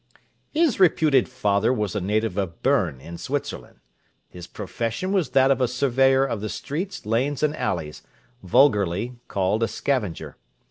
His reputed father was a native of Berne, in Switzerland; his profession was that of a surveyor of the streets, lanes, and alleys, vulgarly called a scavenger.